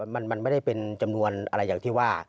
มันไม่ได้เป็นจำนวนอะไรอย่างที่ว่า